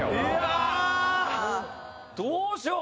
どうしよう！